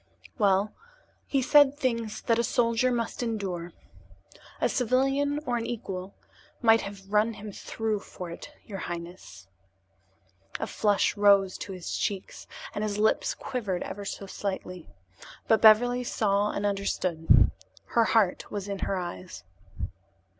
"Well, he said things that a soldier must endure. A civilian or an equal might have run him through for it, your highness." A flush rose to his cheeks and his lips quivered ever so slightly. But Beverly saw and understood. Her heart was in her eyes.